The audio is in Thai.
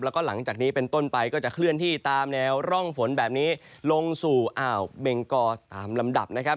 แล้วก็หลังจากนี้เป็นต้นไปก็จะเคลื่อนที่ตามแนวร่องฝนแบบนี้ลงสู่อ่าวเบงกอตามลำดับนะครับ